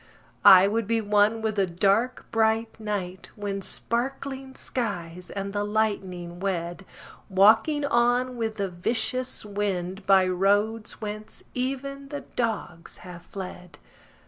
I would be one with the dark bright night When sparkling skies and the lightning wed— Walking on with the vicious wind By roads whence even the dogs have fled.